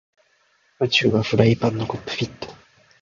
フライパンは宇宙のコックピット